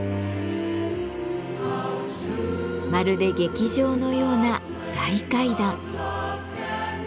まるで劇場のような「大階段」。